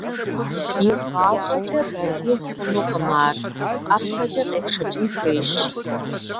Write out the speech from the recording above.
Игъащӏэкӏэ балигъ хъунукъым ар, ӀэпэкӀэ къепшэкӀын хуейщ.